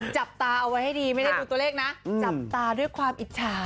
จับตาเอาไว้ให้ดีไม่ได้ดูตัวเลขนะจับตาด้วยความอิจฉา